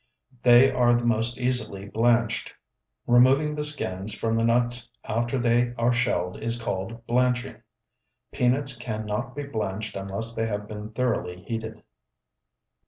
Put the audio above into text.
They are the most easily blanched. Removing the skins from the nuts after they are shelled is called blanching. Peanuts can not be blanched unless they have been thoroughly heated.